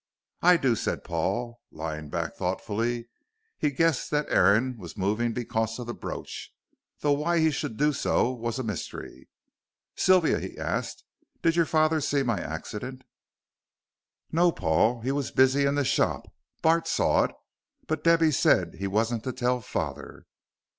"I do," said Paul, lying back thoughtfully. He guessed that Aaron was moving because of the brooch, though why he should do so was a mystery. "Sylvia," he asked, "did your father see my accident?" "No, Paul. He was busy in the shop. Bart saw it, but Debby said he wasn't to tell father."